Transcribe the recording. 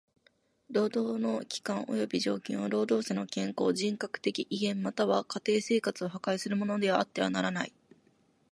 労働の期間および条件は労働者の健康、人格的威厳または家庭生活を破壊するものであってはならない。